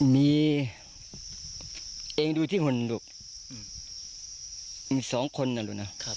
มีเองดูที่หลุมลูกอืมสองคนน่ะหลุมน่ะครับ